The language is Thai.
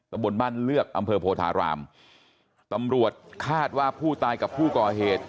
บนบ้านเลือกอำเภอโพธารามตำรวจคาดว่าผู้ตายกับผู้ก่อเหตุ